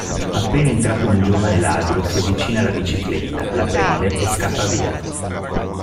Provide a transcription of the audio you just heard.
Appena entrato un giovane ladro si avvicina alla bicicletta la prende e scappa via.